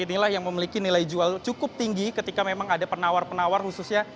inilah yang memiliki nilai jual cukup tinggi ketika memang ada penawar penawar khususnya